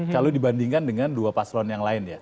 kalau dibandingkan dengan dua paslon yang lain ya